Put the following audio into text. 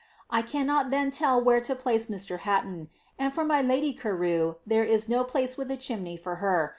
I cannot then tell where to plnce Mr. Haiton : and t my lady Carewe, there is no place with a chimney for her.